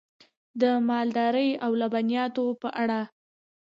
د مالدارۍ او لبنیاتو په اړه: